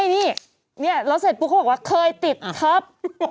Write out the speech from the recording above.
นี่แล้วเสร็จปุ๊บเขาบอกว่าเคยติดท็อป